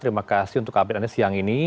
terima kasih untuk update anda siang ini